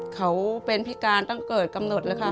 เขาเป็นพิการตั้งเกิดกำหนด